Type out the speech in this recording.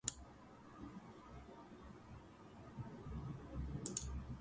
Their cards will be given to the lawyers before they go in.